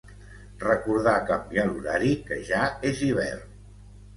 Recordar canviar l'horari, que ja és hivern.